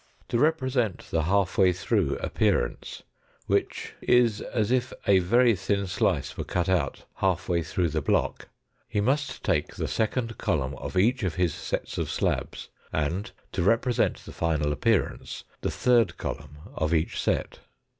To represent the half way through appearance, which is as if a very thin slice were cut out half way through the block, he must take the second column of each of his sets of slabs, and to represent the final appearance, the third column of each set.